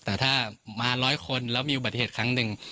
แต่ถ้ามาร้อยคนแล้วมีอุบัติเหตุครั้งหนึ่ง